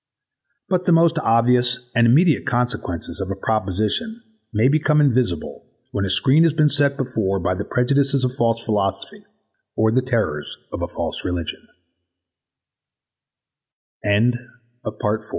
But the most obvious and immediate consequences of a proposition may become invisible when a screen has been set before by the prejudices of false philosophy or the terrors of a false reli